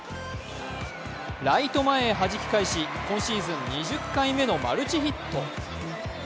ライト前へはじき返し、今シーズン２０回目のマルチヒット。